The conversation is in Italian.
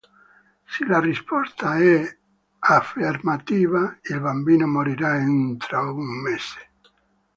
Se la risposta è affermativa il bambino morirà entro un mese.